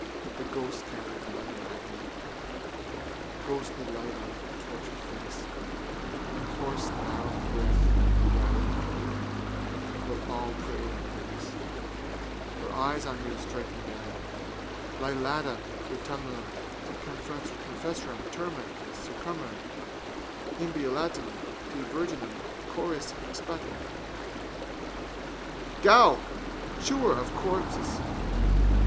The ghostcandle to light her agony. Ghostly light on the tortured face. Her hoarse loud breath rattling in horror, while all prayed on their knees. Her eyes on me to strike me down. Liliata rutilantium te confessorum turma circumdet: iubilantium te virginum chorus excipiat. Ghoul! Chewer of corpses!